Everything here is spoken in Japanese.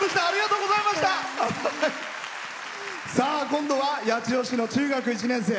今度は八千代市の中学１年生。